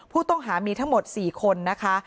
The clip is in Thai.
ผู้ต้องหามีทั้งหมด๔คนนะคะ